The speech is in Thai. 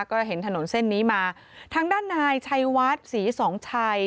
ก็เห็นถนนเส้นนี้มาทางด้านนายชัยวัดศรีสองชัย